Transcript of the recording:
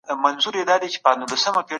کومې لارې چي موږ لټوو ډېرې اسانه دي.